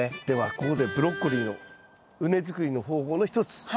ではここでブロッコリーの畝作りの方法の一つ。